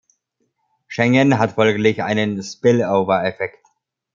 Schengen hat folglich einen Spillover-Effekt.